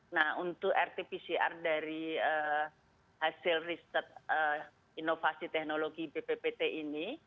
nah untuk rt pcr dari hasil riset inovasi teknologi bppt ini